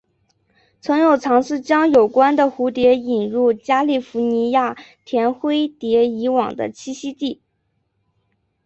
曾有尝试将有关的蝴蝶引入加利福尼亚甜灰蝶以往的栖息地。